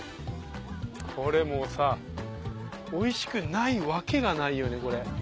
これもうさおいしくないわけがないよね。